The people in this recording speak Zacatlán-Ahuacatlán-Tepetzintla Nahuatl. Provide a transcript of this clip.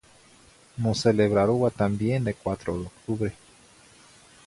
Mocelebraroa también de cuatro octubre.